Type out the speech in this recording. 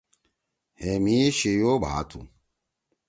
ہے مھی شیو بھا تُھو۔